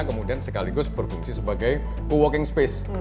kemudian sekaligus berfungsi sebagai co working space